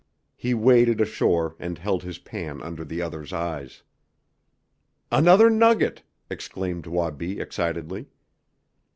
He waded ashore and held his pan under the other's eyes. "Another nugget!" exclaimed Wabi excitedly.